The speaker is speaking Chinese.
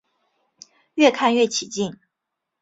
越看越起劲